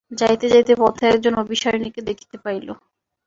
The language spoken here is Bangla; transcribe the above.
যাইতে যাইতে পথে একজন অভিসারিণীকে দেখিতে পাইল।